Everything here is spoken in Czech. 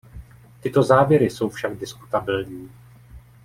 Tyto závěry jsou však diskutabilní.